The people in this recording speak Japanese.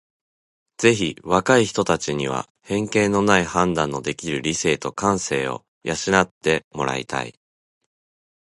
ぜひ若い人たちには偏見のない判断のできる理性と感性を養って貰いたい。